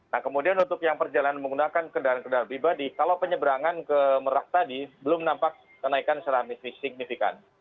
nah kemudian untuk yang perjalanan menggunakan kendaraan kendaraan pribadi kalau penyeberangan ke merak tadi belum nampak kenaikan secara signifikan